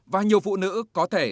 và nhiều phụ nữ có thể